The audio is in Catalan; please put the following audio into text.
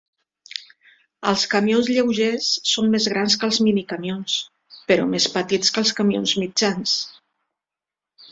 Els camions lleugers són més grans que els minicamions, però més petits que els camions mitjans.